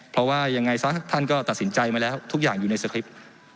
เพราะว่ายังไงซะท่านก็ตัดสินใจมาแล้วทุกอย่างอยู่ในสคริปต์